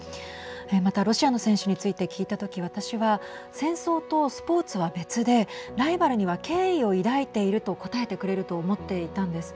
また、ロシアの選手について聞いたとき、私は戦争とスポーツは別でライバルには敬意を抱いていると答えてくれると思っていたんです。